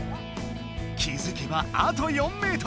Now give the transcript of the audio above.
気づけばあと４ｍ！